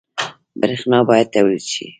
برښنا باید تولید شي